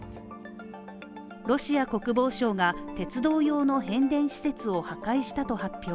ロシア国防省が鉄道用の変電施設を破壊したと発表。